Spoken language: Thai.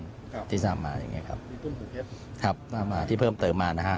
ที่ที่สามอ่ะอย่างเงี้ยครับมีตุ้มหูเพชรครับมามาที่เพิ่มเติมมานะฮะ